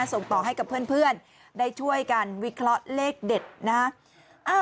ส่งต่อให้กับเพื่อนได้ช่วยกันวิเคราะห์เลขเด็ดนะฮะ